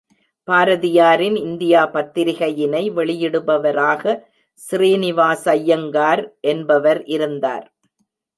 பாரதியாரின் இந்தியா பத்திரிகையினை வெளியிடுபவராக, சீறிநிவாசய்யங்கார் என்பவர் இருந்தார்.